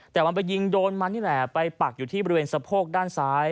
แต่มันไปยิงโดนมันนี่แหละไปปักอยู่ที่บริเวณสะโพกด้านซ้าย